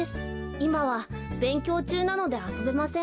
いまはべんきょうちゅうなのであそべません。